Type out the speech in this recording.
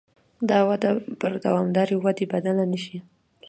دا وده پر دوامدارې ودې بدله نه شي.